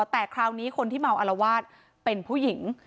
แต่คราวนี้คนที่เมาอารวาสเป็นผู้หญิง